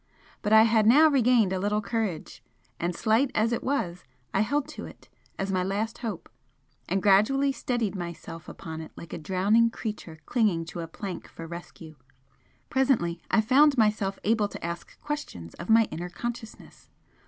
But I had now regained a little courage, and slight as it was I held to it as my last hope, and gradually steadied myself upon it like a drowning creature clinging to a plank for rescue. Presently I found myself able to ask questions of my inner consciousness.